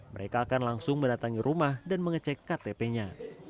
mereka akan langsung mendatangi rumah dan mengecek ktp nya